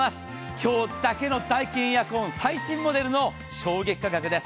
今日だけのダイキンエアコン最新モデルの衝撃価格です。